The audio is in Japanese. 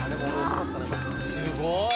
すごい！